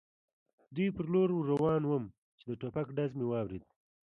دوی پر لور ور روان ووم، چې د ټوپک ډز مې واورېد.